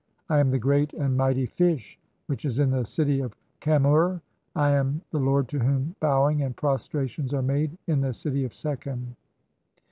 I am the great and Mighty Fish which is in the city "of Qem ur. I am (5) the lord to whom bowing and prostrations "[are made] in the city of Sekhem."